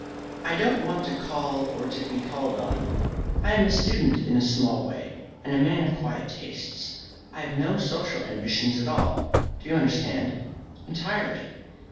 I don't want to call or be called on. I am a student in a small way, and a man of quiet tastes. I have no social ambitions at all. Do you understand?" "Entirely."